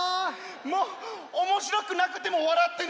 もうおもしろくなくてもわらってね。